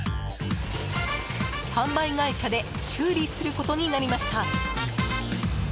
販売会社で修理することになりました。